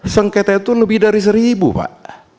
sengketa itu lebih dari seribu pak